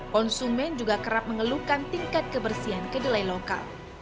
konsumen juga kerap mengeluhkan tingkat kebersihan kedelai lokal